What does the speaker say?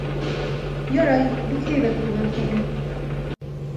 — Ярай, бик һәйбәт булған, ҡыҙым.